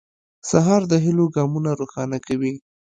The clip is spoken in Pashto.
سهار د هيلو ګامونه روښانه کوي.